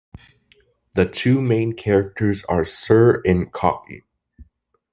The two main characters are Sir and Cocky.